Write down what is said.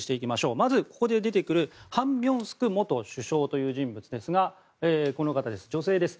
まず、ここで出てくるハン・ミョンスク元首相という人物ですがこの方、女性です。